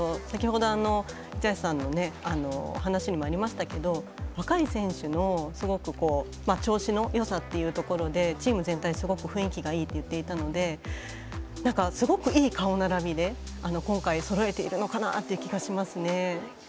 先ほど、一橋さんの話にもありましたが若い選手のすごく調子のよさというところでチーム全体、すごく雰囲気がいいと言っていたのですごくいい顔並びで今回そろえているのかなという気がしますね。